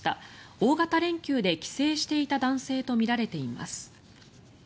大型連休で帰省していた男性とみられています。